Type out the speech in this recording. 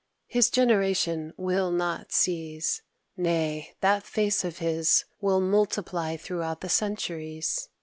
His generation will not cease nay! that face of his will multiply throughout the centuries!